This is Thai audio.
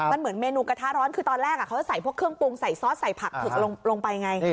มันเหมือนเมนูกระทะร้อนคือตอนแรกเขาจะใส่พวกเครื่องปรุงใส่ซอสใส่ผักผึกลงไปไง